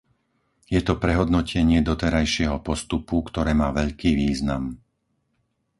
Je to prehodnotenie doterajšieho postupu, ktoré má veľký význam.